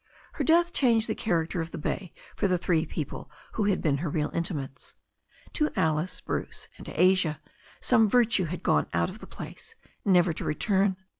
Her death changed the character of the bay for the three people who had been her real intimates. To Alice, Bruce and Asia some virtue had gone out of the place never to return.